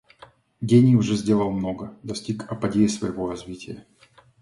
Гений уже сделал много, достиг апогея своего развития.